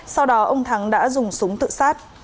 sau đó ông thắng đã dùng súng tự sát